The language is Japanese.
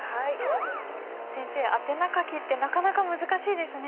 先生宛名書きってなかなか難しいですね。